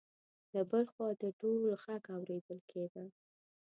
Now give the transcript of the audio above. له بل خوا د ډول غږ اورېدل کېده.